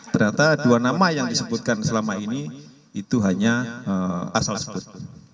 ternyata dua nama yang disebutkan selama ini itu hanya asal sebut